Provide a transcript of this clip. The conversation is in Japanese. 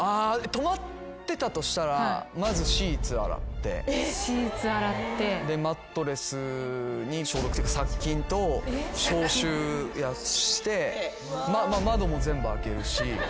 泊まってたとしたらまずシーツ洗ってでマットレスに消毒っていうか殺菌と消臭して窓も全部開けるし。